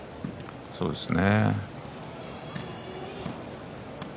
そうですね。